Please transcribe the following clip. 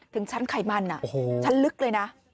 ถึงชั้นไขมันชั้นลึกเลยนะ